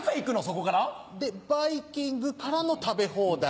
そこから。でバイキングからの食べ放題。